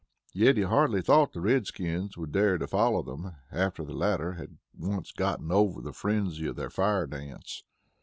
Yet he hardly thought the redskins would dare to follow them, after the latter had once gotten over the frenzy of their fire dance.